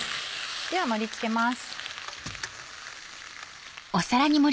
では盛り付けます。